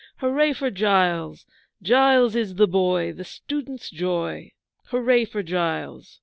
Hurray for Giles! Giles is the boy the student's joy! Hurray for Giles!